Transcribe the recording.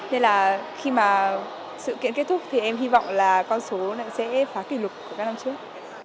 nên là khi mà sự kiện kết thúc thì em hy vọng là con số này sẽ phá kỷ lục của các năm trước